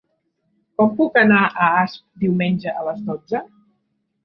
Com puc anar a Asp diumenge a les dotze?